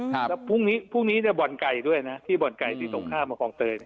แล้วพรุ่งนี้พรุ่งนี้บ่อนไก่ด้วยนะที่บ่อนไก่ที่ตรงข้ามมาคลองเตย